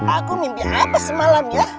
aku mimpi apa semalam ya